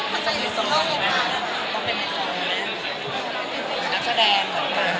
การฟัง